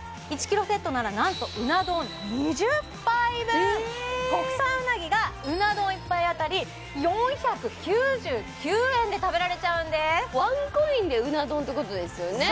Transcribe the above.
１ｋｇセットならなんと国産うなぎがうな丼１杯当たり４９９円で食べられちゃうんですワンコインでうな丼っていうことですよね